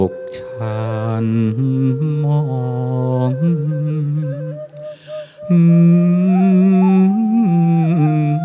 อกฉันมองอืม